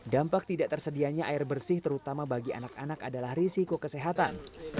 dampak tidak tersedianya air bersih terutama bagi anak anak adalah risiko kesehatan